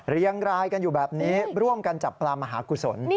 เรียงรายกันอยู่แบบนี้ร่วมกันจับปลามหากุศล